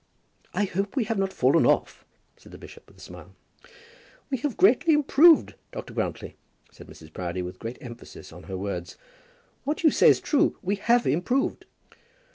"I hope we have not fallen off," said the bishop, with a smile. "We have improved, Dr. Grantly," said Mrs. Proudie, with great emphasis on her words. "What you say is true. We have improved."